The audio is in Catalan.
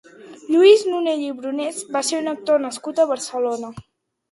Lluís Nonell i Brunés va ser un actor nascut a Barcelona.